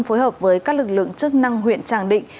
phối hợp với các lực lượng chức năng huyện tràng định